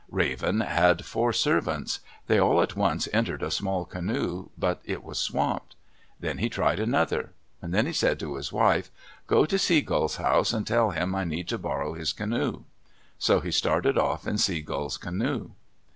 Raven had four servants. They all at once entered a small canoe, but it was swamped. Then he tried another. Then he said to his wife, "Go to Sea Gull's house and tell him I need to borrow his canoe." So he started off in Sea Gull's canoe.